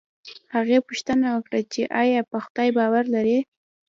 هغې پوښتنه وکړه چې ایا په خدای باور لرې